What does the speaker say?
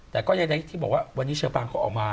แต่ก็ใดที่บอกว่าวันนี้เชอปางเขาออกมา